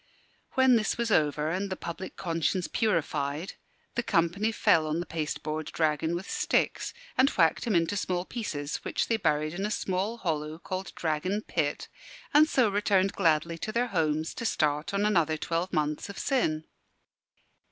When this was over, and the public conscience purified, the company fell on the pasteboard dragon with sticks and whacked him into small pieces, which they buried in a small hollow called Dragon Pit; and so returned gladly to their homes to start on another twelve months of sin.